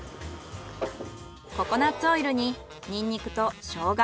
ココナッツオイルにニンニクとショウガ